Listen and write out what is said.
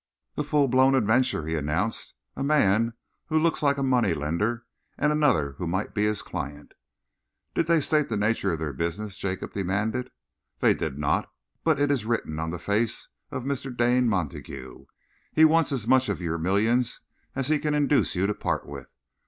"A full blown adventure," he announced. "A man who looks like a money lender, and another who might be his client." "Did they state the nature of their business?" Jacob demanded. "They did not, but it is written in the face of Mr. Dane Montague. He wants as much of your million as he can induce you to part with.